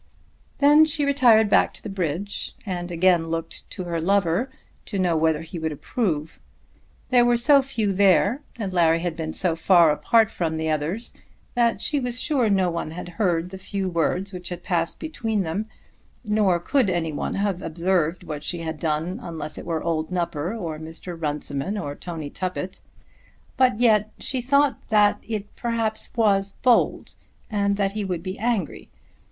Then she retired back to the bridge and again looked to her lover to know whether he would approve. There were so few there, and Larry had been so far apart from the others, that she was sure no one had heard the few words which had passed between them; nor could anyone have observed what she had done, unless it were old Nupper, or Mr. Runciman, or Tony Tuppett. But yet she thought that it perhaps was bold, and that he would be angry.